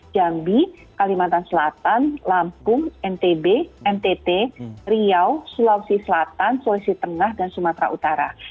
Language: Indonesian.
jambi kalimantan selatan lampung ntb ntt riau sulawesi selatan sulawesi tengah dan sumatera utara